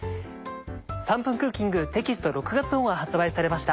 『３分クッキング』テキスト６月号が発売されました。